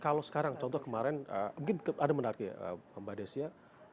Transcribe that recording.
kalau sekarang contoh kemarin mungkin ada menarik ya mbak desya